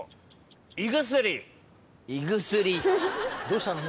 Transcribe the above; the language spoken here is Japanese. どうしたの？